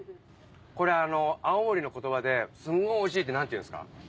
青森の言葉で「すっごいおいしい」って何て言うんですか？